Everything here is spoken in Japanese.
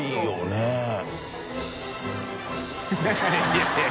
いやいや。